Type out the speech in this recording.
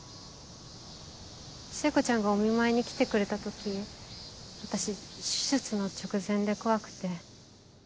聖子ちゃんがお見舞いに来てくれた時私手術の直前で怖くて。